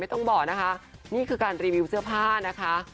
ต้องบอกนะคะนี่คือการรีวิวเสื้อผ้านะคะ